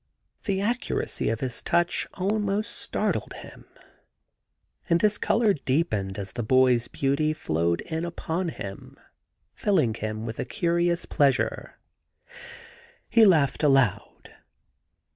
The accuracy of his touch almost startled him, and his colour deepened as the boy's beauty flowed in upon him, filling him with a curious pleasure. He laughed aloud.